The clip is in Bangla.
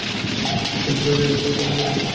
কিন্তু তাদের এ ব্যাখ্যা প্রত্যাখ্যান করা হয়েছে।